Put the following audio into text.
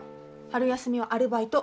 春休みはアルバイト。